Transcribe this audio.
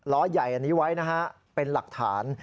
ล้อใหญ่อันนี้ไว้นะฮะเป็นหลักฐาน